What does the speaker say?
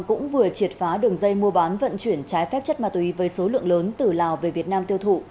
cũng vừa triệt phá đường dây mua bán vận chuyển trái phép chất ma túy với số lượng lớn từ lào về việt nam tiêu thụ